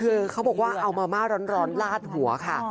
คือเขาบอกว่าเอามาม่าร้อนลาดหัวค่ะ